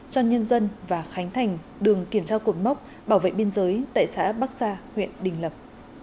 cho nhân dân và khánh thành đường kiểm tra cột mốc bảo vệ biên giới tại xã bắc sa huyện đình lập